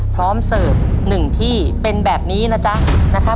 พร้อมเสิร์ฟหนึ่งที่เป็นแบบนี้นะจ๊ะ